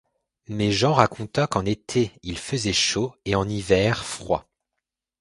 Mais Jean raconta qu’en été il faisait chaud et en hiver froid.